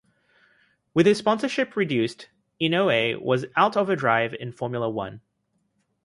With his sponsorship reduced, Inoue was out of a drive in Formula One.